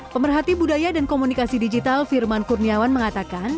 pemerhati budaya dan komunikasi digital firman kurniawan mengatakan